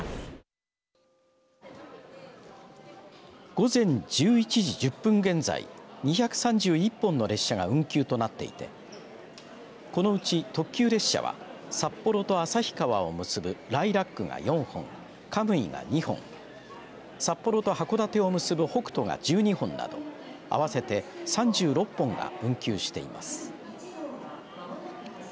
午前１１時１０分現在２３１本の列車が運休となっていてこのうち特急列車は札幌と旭川を結ぶライラックが４本カムイが２本札幌と函館を結ぶ北斗が１２本など合わせて３６本が運休しています。